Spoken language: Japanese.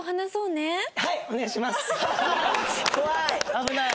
危ない。